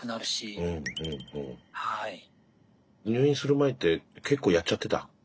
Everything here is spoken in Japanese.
入院する前って結構やっちゃってた？